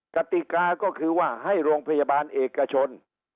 กติกาก็คือว่าให้โรงพยาบาลเอกชน